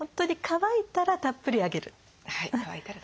乾いたらたっぷりあげる。